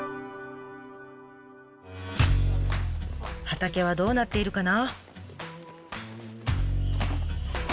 畑はどうなっているかな？